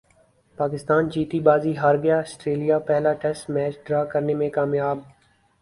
پاکستان جیتی بازی ہار گیا سٹریلیا پہلا ٹیسٹ میچ ڈرا کرنے میں کامیاب